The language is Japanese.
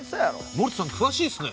森田さん詳しいっすね。